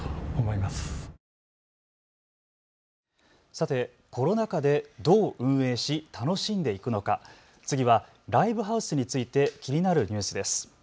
さてコロナ禍でどう運営し楽しんでいくのか、次はライブハウスについて気になるニュースです。